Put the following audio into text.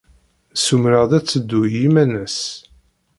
Ssumreɣ-d ad teddu i yiman-nnes.